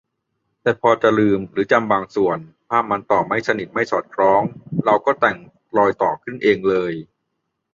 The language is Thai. แต่พอจะลืมหรือจำบางส่วน ภาพมันต่อไม่สนิทไม่สอดคล้อง เราก็แต่ง"รอยต่อ"ขึ้นเองเลย